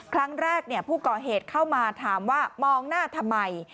ครั้งแรกผู้ก่อเหตุเข้ามาถามว่ามองหน้าทำไม